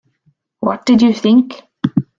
What did you think?